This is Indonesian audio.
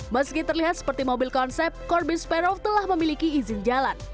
meski terlihat seperti mobil konsep corbin spare off telah memiliki izin jalan